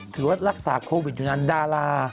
ถือว่ารักษาโควิดอยู่นานดารา